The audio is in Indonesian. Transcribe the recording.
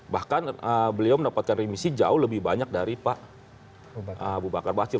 bahkan beliau mendapatkan remisi jauh lebih banyak dari pak abu bakar basir